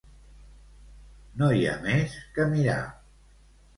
No hi ha més que mirar.